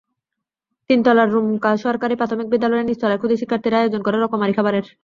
তিনতলার রুমকা সরকারি প্রাথমিক বিদ্যালয়ের নিচতলায় খুদে শিক্ষার্থীরা আয়োজন করে রকমারি খাবারের।